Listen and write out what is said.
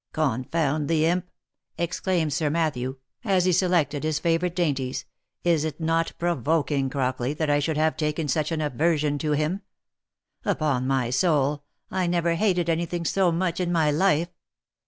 " Confound the imp !" exclaimed Sir Matthew, as he selected his i2 116 THE LIFE AND ADVENTURES favourite dainties, " is it not provoking, Crockley, that I should have taken such an aversion to him ? Upon my soul, I never hated any thing so much in my life.